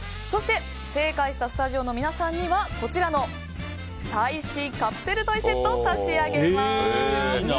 そして、正解したスタジオの皆さんにはこちらの最新カプセルトイセットを差し上げます。